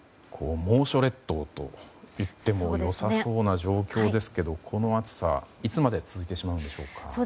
猛暑列島といってもよさそうな状況ですがこの暑さ、いつまで続いてしまうんでしょうか。